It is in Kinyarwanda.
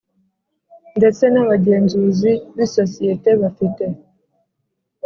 Ndetse n abagenzuzi b isosiyete bafite